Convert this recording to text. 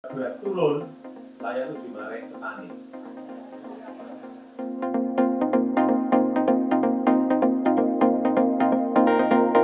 jika duas turun saya itu dimarai kembali